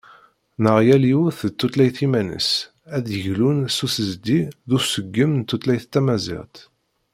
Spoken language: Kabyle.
Neɣ yal yiwet d tutlayt iman-s ad d-yeglun s usezdi d useggem n tutlayt Tamaziɣt.